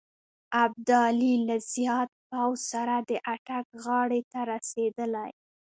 ابدالي له زیات پوځ سره د اټک غاړې ته رسېدلی.